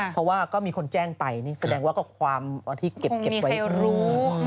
เพราะว่าก็มีคนแจ้งไปนี่แสดงว่าก็ความที่เก็บไว้รูป